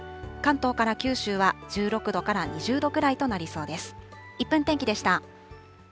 関東から九州は１６度から２０度ぐらいとなりそうです。